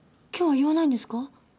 今日言わないんですか？